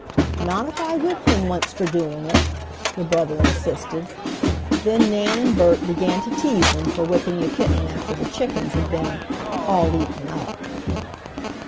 "Not if I whipped him once for doing it," the brother insisted. Then Nan and Bert began to tease him for whipping the kitten after the chickens had been "all eaten up."